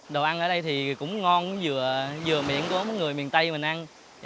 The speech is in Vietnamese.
đồ ăn ở đây thì cũng ngon với vừa miệng của mấy người miền tây mình ăn